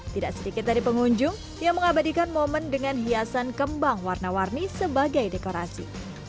tidak sedikit dari pengunjung yang mengabadikan momen dengan hiasan kembang warna warni sebagai dekorasi